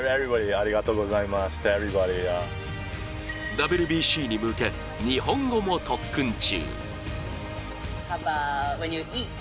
ＷＢＣに向け日本語も特訓中。